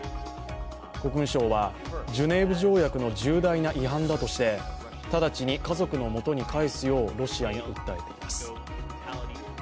国務省は、ジュネーブ条約の重大な違反だとして直ちに家族の元に帰すようロシアに訴えています。